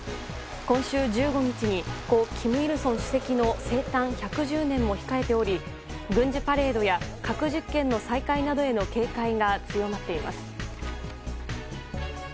今週１５日に故・金日成主席の生誕１１０年も控えており軍事パレードや核実験の再開などへの警戒が強まっています。